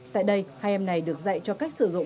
tại đây hai em này được dạy cho cách sử dụng